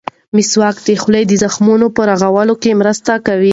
مسواک د خولې د زخمونو په رغولو کې مرسته کوي.